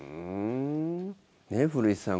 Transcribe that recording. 古市さん